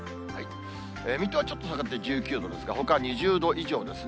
水戸はちょっと下がって１９度ですが、ほかは２０度以上ですね。